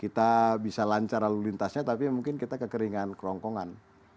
kita bisa lancar lalu lintasnya tapi mungkin kita kekeringan kerongkongan